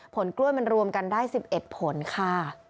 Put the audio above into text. ผลกล้วยมันรวมกันได้๑๑ผลค่ะ